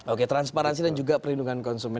oke transparansi dan juga perlindungan konsumen